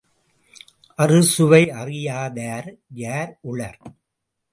அறு சுவையறியாதார் யார் உளர்?